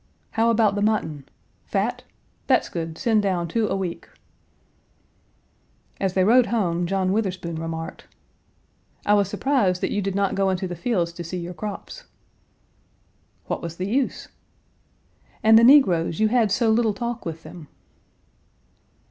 How about the mutton? Fat? That's good; send down two a week." Page 251 As they rode home, John Witherspoon remarked, "I was surprised that you did not go into the fields to see your crops." "What was the use?" "And the negroes; you had so little talk with them."